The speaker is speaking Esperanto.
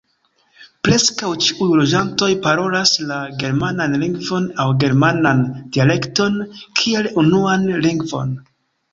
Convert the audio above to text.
Preskaŭ ĉiuj loĝantoj parolas la germanan lingvon aŭ germanan dialekton kiel unuan lingvon.